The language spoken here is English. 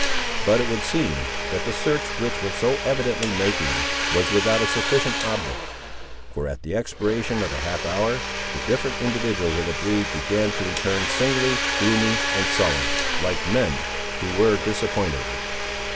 But it would seem, that the search which was so evidently making, was without a sufficient object; for at the expiration of half an hour the different individuals of the band began to return singly, gloomy and sullen, like men who were disappointed.